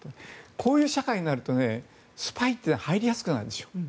こういう社会になるとスパイって入りやすくなる。